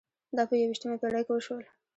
دا په یوویشتمه پېړۍ کې وشول.